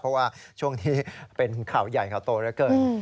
เพราะว่าช่วงนี้เป็นข่าวใหญ่ข่าวโตเหลือเกิน